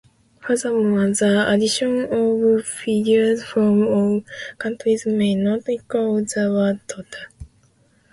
Furthermore, the addition of figures from all countries may not equal the world total.